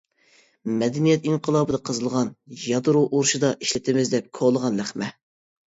مەدەنىيەت ئىنقىلابىدا قېزىلغان، يادرو ئۇرۇشىدا ئىشلىتىمىز دەپ كولىغان لەخمە.